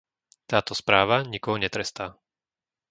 Táto správa nikoho netrestá.